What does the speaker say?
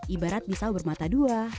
ibarat bisa bermata dua